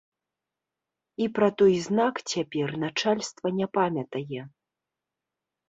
І пра той знак цяпер начальства не памятае.